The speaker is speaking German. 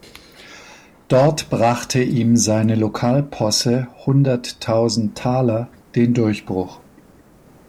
Dort brachte ihm seine Lokalposse "Hunderttausend Taler" den Durchbruch.